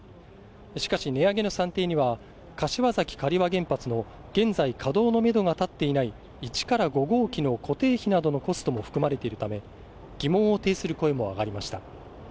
しかし値上げの算定には柏崎刈羽原発の現在、稼働のめどが立っていない１から５号機の固定費などのコストも含まれているため、疑問を呈する声があがりました。